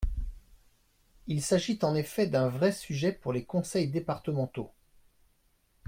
Il s’agit en effet d’un vrai sujet pour les conseils départementaux.